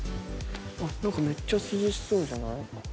何かめっちゃ涼しそうじゃない？